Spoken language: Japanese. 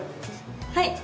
はい！